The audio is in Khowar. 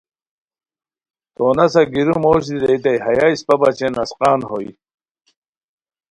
تو نسہ گیرو موش دی ریتائے ہیہ اِسپہ بچین اسقان ہوئے